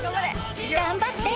頑張って。